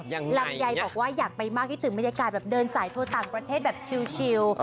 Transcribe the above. ลำไยบอกว่าอยากไปมากคิดถึงบรรยากาศแบบเดินสายทั่วต่างประเทศแบบชิล